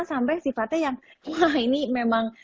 sampai sifatnya yang wah ini memang